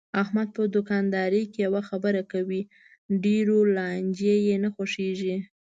احمد په دوکاندارۍ کې یوه خبره کوي، ډېرو لانجې یې نه خوښږي.